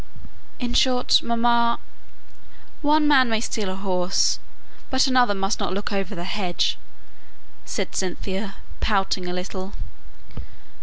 "In short, mamma, one man may steal a horse, but another must not look over the hedge," said Cynthia, pouting a little.